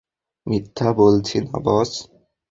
মিথ্যে বলছি না বস!